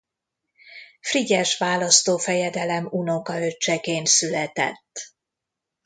Frigyes választófejedelem unokaöccseként született.